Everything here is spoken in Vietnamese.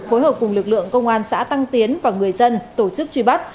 phối hợp cùng lực lượng công an xã tăng tiến và người dân tổ chức truy bắt